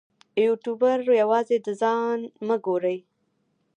یوټوبر یوازې د ځان مه ګوري.